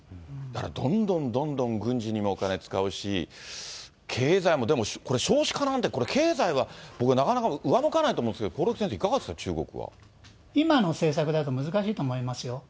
だからどんどんどんどん軍事にもお金使うし、経済も、でも少子化なんて、これ、経済は僕、なかなか上向かないと思うんですけど、興梠先生、いかがですか、今の政策だと難しいと思いますよ。